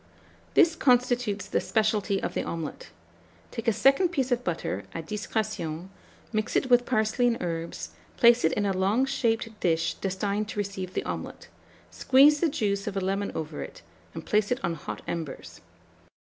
This constitutes the specialty of the omelet. Take a second piece of butter, à discrétion, mix it with parsley and herbs, place it in a long shaped dish destined to receive the omelet; squeeze the juice of a lemon over it, and place it on hot embers.